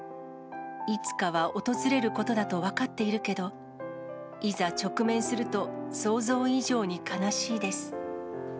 いつかは訪れることだと分かっているけど、いざ直面すると、想像以上に悲しいです。